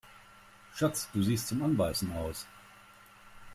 Schatz, du siehst zum Anbeißen aus!